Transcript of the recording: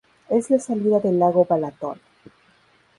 Es la salida del lago Balatón.